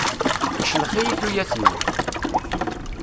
Iclex-iyi tuyat-iw.